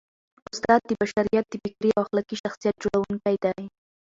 استاد د بشریت د فکري او اخلاقي شخصیت جوړوونکی دی.